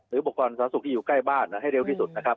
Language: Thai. หรือปกติบอกกรรมสาวสุขที่อยู่ใกล้บ้านให้เร็วที่สุดนะครับ